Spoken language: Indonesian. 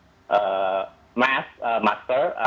ketika kalau ada komunikasi daya cerita yang kaya